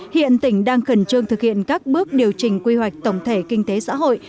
hiện tỉnh đang khẩn trương thực hiện các bước điều chỉnh quy hoạch tổng thể kinh tế xã hội